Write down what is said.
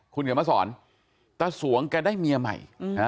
คุณเขียนมาสอนตะสวงแกได้เมียใหม่